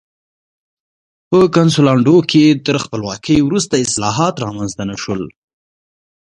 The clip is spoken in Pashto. په کنسولاډو کې تر خپلواکۍ وروسته اصلاحات رامنځته نه شول.